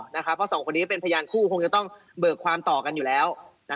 เพราะสองคนนี้เป็นพยานคู่คงจะต้องเบิกความต่อกันอยู่แล้ว